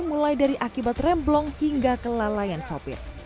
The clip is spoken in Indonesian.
mulai dari akibat remblong hingga kelalaian sopir